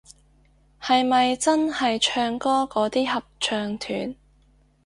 係咪真係唱歌嗰啲合唱團